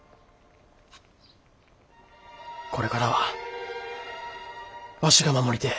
これからはわしが守りてえ。